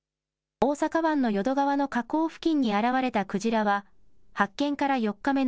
大阪湾の淀川の河口付近に現れたクジラは、発見から４日目の